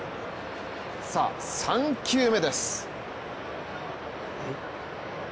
さあ、３球目です。